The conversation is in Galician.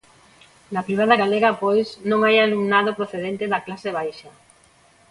Na privada galega, pois, non hai alumnado procedente da clase baixa.